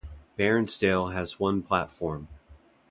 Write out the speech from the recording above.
Bairnsdale has one platform.